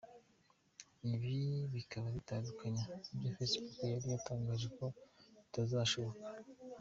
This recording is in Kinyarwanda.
Ibi bikaba bitandukanye n’ibyo Facebook yari yatangaje ko bitazashoboka.